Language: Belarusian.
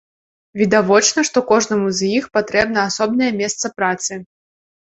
Відавочна, што кожнаму з іх патрэбна асобнае месца працы.